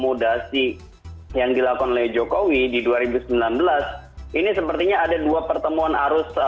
melihat politik akomodasi yang dilakukan oleh jokowi di dua ribu sembilan belas ini sepertinya ada dua pertemuan arus partai besar ya